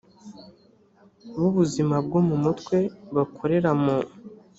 b ubuzima bwo mu mutwe bakorera mu